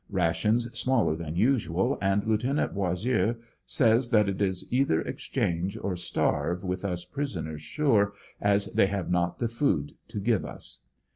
Rations smaller than usual, and Lieut. Bossieux says that it is either exchange qr starve with us prisoners sure, as they have not the food to give us.